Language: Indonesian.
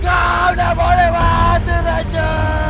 kau tidak boleh lewati raju